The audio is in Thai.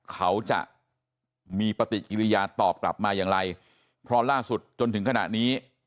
เขาจะมีปฏิกิริยาตอบกลับมาอย่างไรเพราะล่าสุดจนถึงขณะนี้